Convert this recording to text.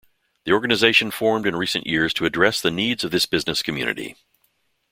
This organization formed in recent years to address the needs of this business community.